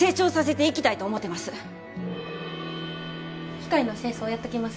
機械の清掃やっときます。